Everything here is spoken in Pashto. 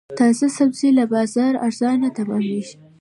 تازه سبزي له بازاره ارزانه تمامېږي.